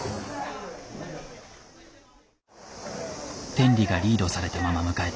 天理がリードされたまま迎えた